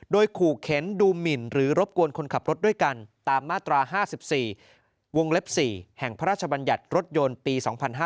โดยขู่เข็นดูหมินหรือรบกวนคนขับรถด้วยกันตามมาตรา๕๔วงเล็บ๔แห่งพระราชบัญญัติรถยนต์ปี๒๕๕๙